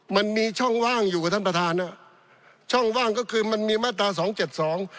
มันมีช่องว่างอยู่กับท่านประธานอ่ะช่องว่างก็คือมันมีมาตราสองเจ็ดสอง